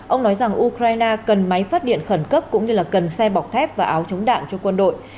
ông nói rằng ukraine cần máy phát điện khẩn cấp cũng như là cần xe bọc thép và áo chống đạn cho quân đội